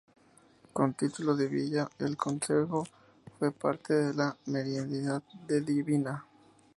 Con título de Villa, el concejo fue parte de la Merindad de Divina.